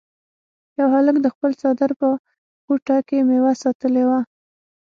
یو هلک د خپل څادر په غوټه کې میوه ساتلې وه.